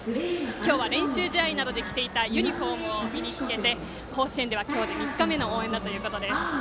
今日は練習試合などで着ていたユニフォームなどを身につけて、甲子園では今日で３日目の応援だということです。